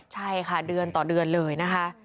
ใช่ค่ะเดือนต่อเดือนเลยนะคะ